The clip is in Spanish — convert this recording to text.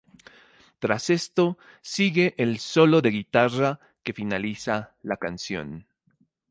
Tras esto, sigue el solo de guitarra que finaliza la canción.